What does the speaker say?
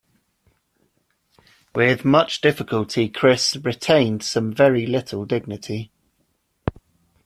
With much difficulty Chris, retained some very little dignity.